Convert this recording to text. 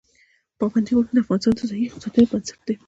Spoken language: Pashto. پابندی غرونه د افغانستان د ځایي اقتصادونو بنسټ دی.